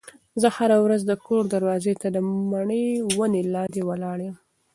زه هره ورځ د کور دروازې ته د مڼې ونې لاندې ولاړه وم.